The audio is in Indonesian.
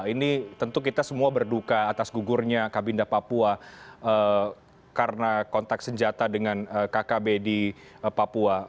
ini tentu kita semua berduka atas gugurnya kabinda papua karena kontak senjata dengan kkb di papua